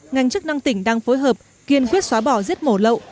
ngành chức năng tỉnh đang phối hợp kiên quyết xóa bỏ giết mổ lậu